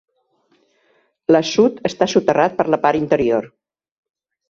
L'assut està soterrat per la part interior.